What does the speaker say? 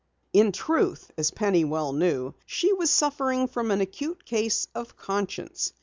In truth, as Penny well knew, she was suffering from an acute case of "conscience."